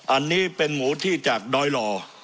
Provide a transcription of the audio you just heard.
อันนี้เป็นหมู่ที่จากโดยรอ